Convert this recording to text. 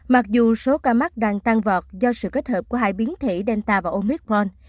mặc dù số ca mắc đang tăng vọt do sự kết hợp của hai biến thể delta và omicmond